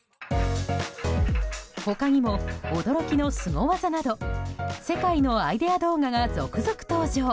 他にも驚きのスゴ技など世界のアイデア動画が続々登場。